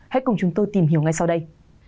hãy cùng chúng tôi tìm hiểu ngay sau đây